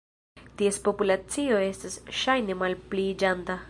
Ties populacio estas ŝajne malpliiĝanta.